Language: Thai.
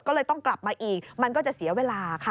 ก็เลยต้องกลับมาอีกมันก็จะเสียเวลาค่ะ